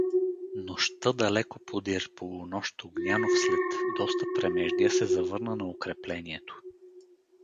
Нощта Далеко подир полунощ Огнянов, след доста премеждия, се завърна на укреплението.